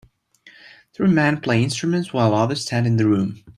Three men play instruments while others stand in the room